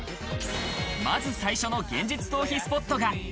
まず最初の現実逃避スポットが。